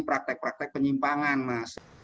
praktek praktek penyimpangan mas